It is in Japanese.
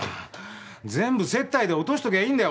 全部接待で落としときゃいいんだよ